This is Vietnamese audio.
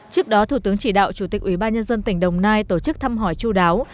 trước đó thủ tướng chỉ đạo chủ tịch ủy ban nhân dân tỉnh đồng nai tổ chức thăm hỏi chú đáo